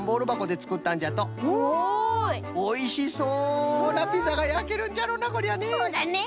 おいしそうなピザがやけるんじゃろなこりゃね。